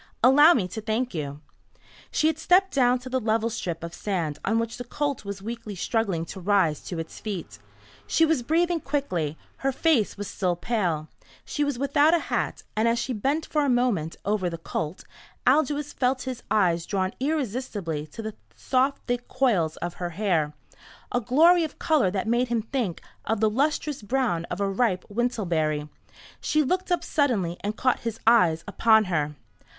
Allow me to thank you." She had stepped down to the level strip of sand on which the colt was weakly struggling to rise to its feet. She was breathing quickly. Her face was still pale. She was without a hat, and as she bent for a moment over the colt Aldous felt his eyes drawn irresistibly to the soft thick coils of her hair, a glory of colour that made him think of the lustrous brown of a ripe wintelberry. She looked up suddenly and caught his eyes upon her.